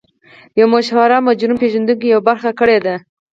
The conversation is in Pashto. یوه مشهور مجرم پېژندونکي یوه خبره کړې ده